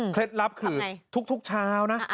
เคล็ดลับคือทุกชาวนะ